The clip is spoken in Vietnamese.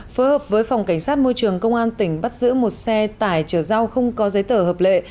phối hợp với phòng cảnh sát môi trường công an tỉnh bắt giữ một xe tải chở rau không có giấy tờ hợp lệ